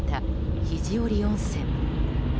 ・肘折温泉。